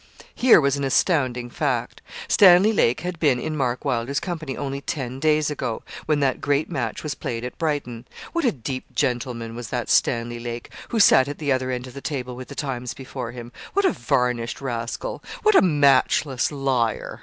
Here was an astounding fact. Stanley Lake had been in Mark Wylder's company only ten days ago, when that great match was played at Brighton! What a deep gentleman was that Stanley Lake, who sat at the other end of the table with the 'Times' before him. What a varnished rascal what a matchless liar!